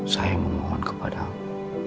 saya memohon kepadamu